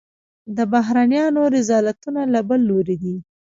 د بهرنیانو رذالتونه له بل لوري دي.